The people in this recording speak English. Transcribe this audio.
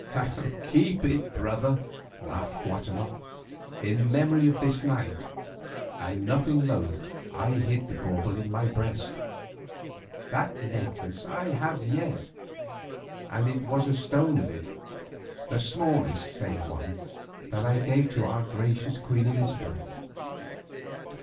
"Keep it, brother," laughed Guatemoc, "in memory of this night," and nothing loth, I hid the bauble in my breast. That necklace I have yet, and it was a stone of it—the smallest save one—that I gave to our gracious Queen Elizabeth.